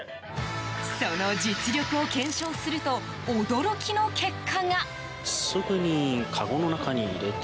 その実力を検証すると驚きの結果が。